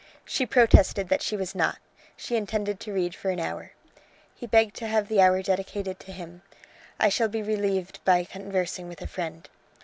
She protested that she was not: she intended to read for an hour. He begged to have the hour dedicated to him. "I shall be relieved by conversing with a friend."